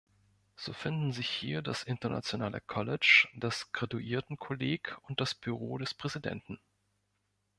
So finden sich hier das Internationale College, das Graduiertenkolleg und das Büro des Präsidenten.